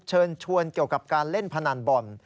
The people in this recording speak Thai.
เชิญชวนเกี่ยวกับการเล่นพนันบ่อน